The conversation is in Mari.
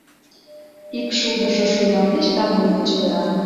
Ик шулдыржо шуйналтеш да вует гыч пера.